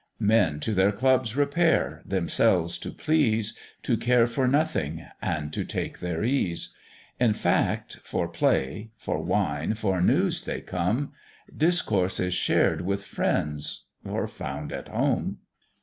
Men to their Clubs repair, themselves to please, To care for nothing, and to take their ease; In fact, for play, for wine, for news they come: Discourse is shared with friends or found at home.